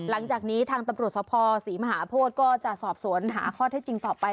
หลังจากนี้ทางตำรวจสภศรีมหาโพธิก็จะสอบสวนหาข้อเท็จจริงต่อไป